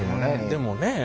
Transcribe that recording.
でもねえ。